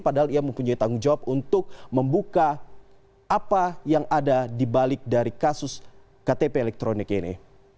padahal ia mempunyai tanggung jawab untuk membuka apa yang ada dibalik dari kasus ktp elektronik ini